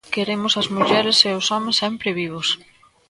Queremos as mulleres e os homes sempre vivos.